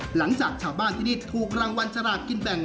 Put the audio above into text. หลังจากชาวบ้านที่นี่ถูกรางวัลสลากกินแบ่ง